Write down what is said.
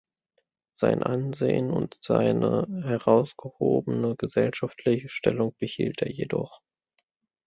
Sein Ansehen und seine herausgehobene gesellschaftliche Stellung behielt er jedoch.